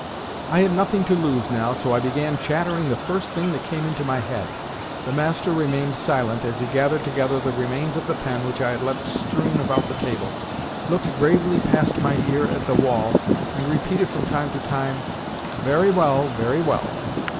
I had nothing to lose now, so I began chattering the first thing that came into my head. The master remained silent as he gathered together the remains of the pen which I had left strewn about the table, looked gravely past my ear at the wall, and repeated from time to time, "Very well, very well."